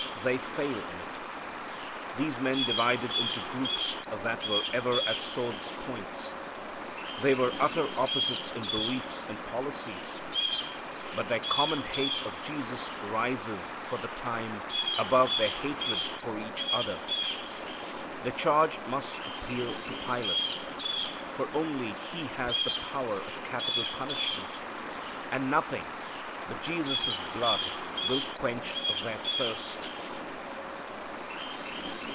They fail in it. These men divided into groups that were ever at swords' points. There were utter opposites in beliefs and policies. But their common hate of Jesus rises for the time above their hatred for each other. The charge must appeal to Pilate, for only he has power of capital punishment, and nothing but Jesus' blood will quench their thirst.